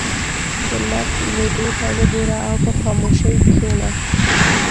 • د لمر لوېدو ته وګوره او په خاموشۍ کښېنه.